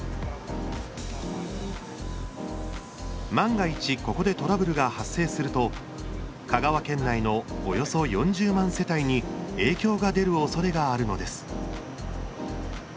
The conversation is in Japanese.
万が一ここでトラブルが発生すると香川県内のおよそ４０万世帯に影響が出るおそれがあるのです。